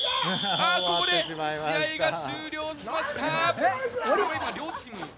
ここで試合が終了しました。